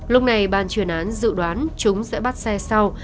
lúc này bàn truyền án dự đoán chúng sẽ bắt xe sau